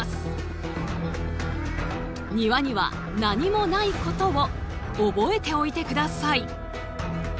庭には何もないことを覚えておいて下さい。